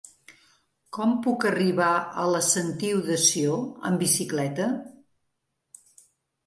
Com puc arribar a la Sentiu de Sió amb bicicleta?